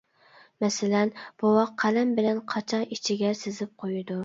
مەسىلەن: بوۋاق قەلەم بىلەن قاچا ئىچىگە سىزىپ قويىدۇ.